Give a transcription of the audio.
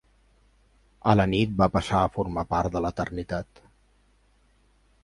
A la nit va passar a formar part de l'Eternitat.